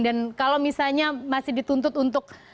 dan kalau misalnya masih dituntut untuk